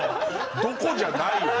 どころじゃないよね。